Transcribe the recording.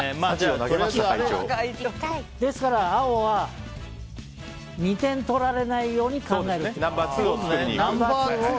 ですから、青は２点取られないように考えることです。